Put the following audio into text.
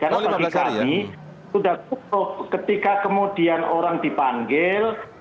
karena tadi kami sudah putus ketika kemudian orang dipanggil